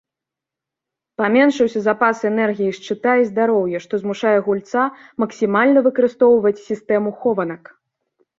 Паменшыўся запас энергіі шчыта і здароўя, што змушае гульца максімальна выкарыстоўваць сістэму хованак.